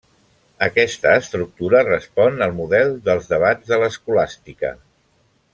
Aquesta estructura respon al model dels debats de l'escolàstica.